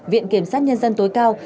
viện kiểm sát nhân dân tối cao